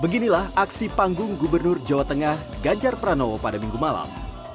beginilah aksi panggung gubernur jawa tengah ganjar pranowo pada minggu malam